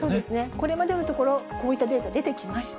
これまでのところ、こういったデータ出てきました。